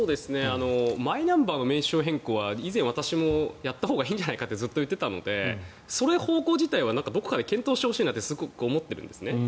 マイナンバーの名称変更は以前、私もやったほうがいいんじゃないかと言っていたので、その方向自体は検討してほしいと思っているんです。